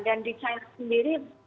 dan di china sendiri